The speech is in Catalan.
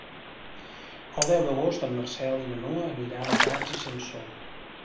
El deu d'agost en Marcel i na Noa aniran a Prats i Sansor.